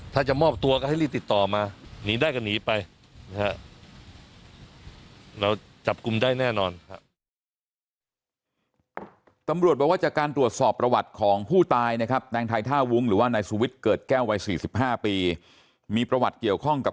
ถ้าจะมอบตัวก็ให้รีบติดต่อมาหนีได้ก็หนีไปนะครับ